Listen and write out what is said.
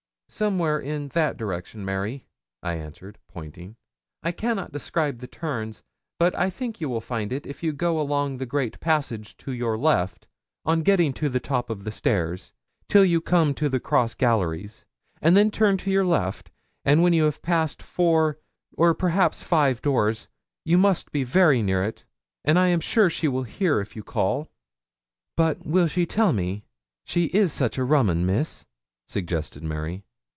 'Somewhere in that direction, Mary,' I answered, pointing. 'I cannot describe the turns; but I think you will find it if you go along the great passage to your left, on getting to the top of the stairs, till you come to the cross galleries, and then turn to your left; and when you have passed four or perhaps five doors, you must be very near it, and I am sure she will hear if you call.' 'But will she tell me she is such a rum un, Miss?' suggested Mary.